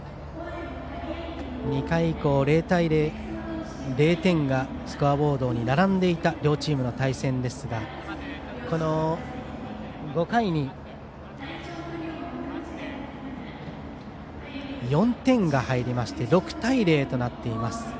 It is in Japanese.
２回以降０点がスコアボードに並んでいた両チームの対戦ですがこの５回に４点が入りまして６対０となっています。